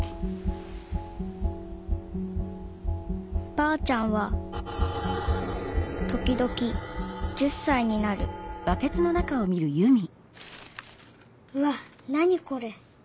ばあちゃんは時々１０さいになるうわっ何これ。